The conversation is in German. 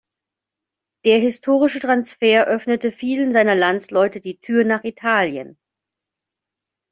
Der historische Transfer öffnete vielen seiner Landsleute die Tür nach Italien.